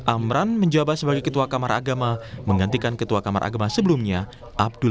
amran menjabat sebagai ketua kamar agama menggantikan ketua kamar agama sebelumnya abdul